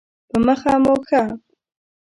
په مخه مو ښه